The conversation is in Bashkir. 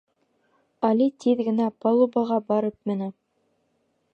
Али тиҙ генә палубаға барып менә.